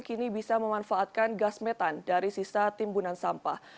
kini bisa memanfaatkan gas metan dari sisa timbunan sampah